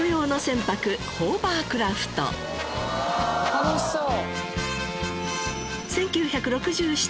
楽しそう。